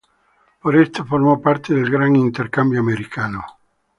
Por esto, formó parte del Gran Intercambio Americano.